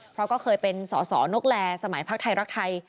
เพราะก็เคยเป็นสอสอนกแลสมัยพักไทยรักไทย